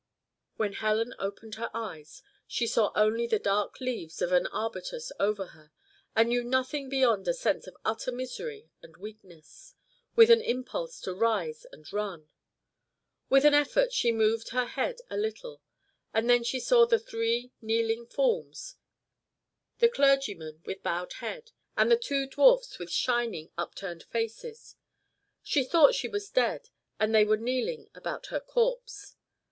When Helen opened her eyes, she saw only the dark leaves of an arbutus over her, and knew nothing beyond a sense of utter misery and weakness, with an impulse to rise and run. With an effort she moved her head a little, and then she saw the three kneeling forms, the clergyman with bowed head, and the two dwarfs with shining upturned faces: she thought she was dead and they were kneeling about her corpse.